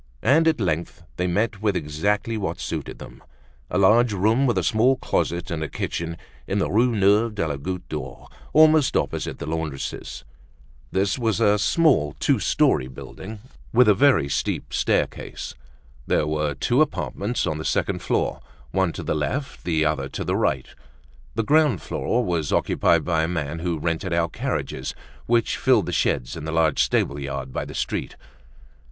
And at length they met with exactly what suited them, a large room with a small closet and a kitchen, in the Rue Neuve de la Goutte d'Or, almost opposite the laundress's. This was in a small two story building with a very steep staircase. There were two apartments on the second floor, one to the left, the other to the right, The ground floor was occupied by a man who rented out carriages, which filled the sheds in the large stable yard by the street.